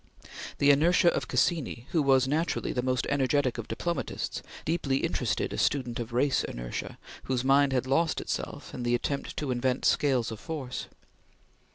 The inertia of Cassini, who was naturally the most energetic of diplomatists, deeply interested a student of race inertia, whose mind had lost itself in the attempt to invent scales of force.